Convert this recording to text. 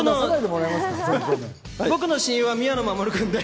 僕の親友は宮野真守君です。